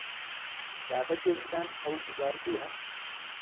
بابەتێکتان هەڵبژاردووە؟